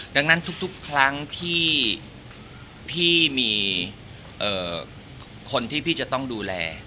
ดังนั้นทุกครั้งที่พี่มีคนที่พี่จะต้องดูแล